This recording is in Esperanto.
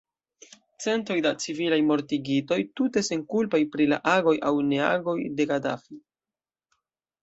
Centoj da civilaj mortigitoj, tute senkulpaj pri la agoj aŭ neagoj de Gadafi.